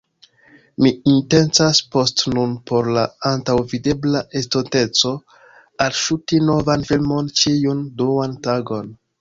Mi intencas post nun por la antaŭvidebla estonteco alŝuti novan filmon ĉiun duan tagon